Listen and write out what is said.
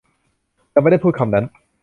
เราไม่ได้พูดคำนั้น